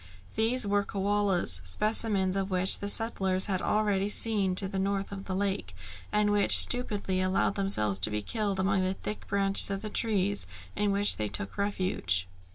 These were koalas, specimens of which the settlers had already seen to the north of the lake, and which stupidly allowed themselves to be killed among the thick branches of the trees in which they took refuge.